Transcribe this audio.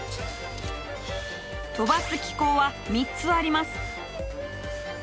飛ばす機構は３つあります。